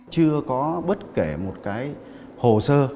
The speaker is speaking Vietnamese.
chưa có bất kể một cái hồ sơ